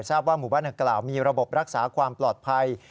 ว่าหมู่บ้านดังกล่าวมีระบบรักษาความปลอดภัย